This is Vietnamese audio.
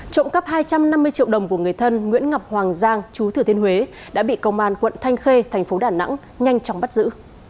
trộm cắp hai trăm năm mươi triệu đồng của người thân nguyễn ngọc hoàng giang chú thừa thiên huế đã bị công an quận thanh khê thành phố đà nẵng nhanh chóng bắt giữ